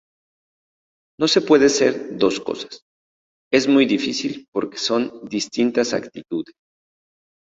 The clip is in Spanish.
No se puede ser dos cosas, es muy difícil porque son distintas actitudes.